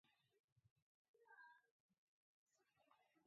Шомак, мут савыртышыжат икгаяк — пеҥгыде, кӱчык, раш.